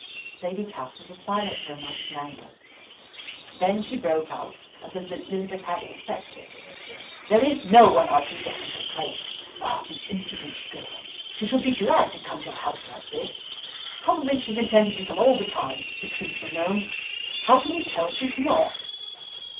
Lady Catherine was silent for a moment with anger; then she broke out, as Elizabeth had expected: "There is no one I can get in her place. The impudent girl! She should be glad to come to a house like this. Probably she is intending to come all the time, if the truth were known; how can you tell she is not?"